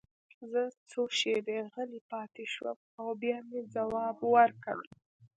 زه څو شېبې غلی پاتې شوم او بیا مې ځواب ورکړ